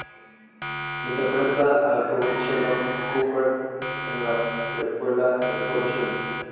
Interpreta al joven Sheldon Cooper, en la precuela "El joven Sheldon".